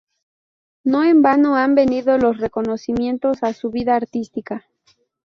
No en vano han venido los reconocimientos a su vida artística.